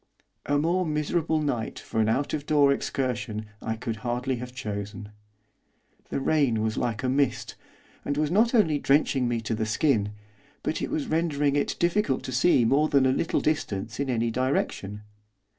A more miserable night for an out of door excursion I could hardly have chosen. The rain was like a mist, and was not only drenching me to the skin, but it was rendering it difficult to see more than a little distance in any direction.